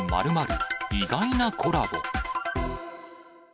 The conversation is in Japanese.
意外なコラボ。